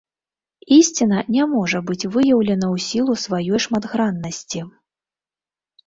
Ісціна не можа быць выяўлена ў сілу сваёй шматграннасці.